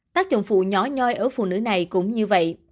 tác dụng phụ nhỏ nhoi ở phụ nữ này cũng như vậy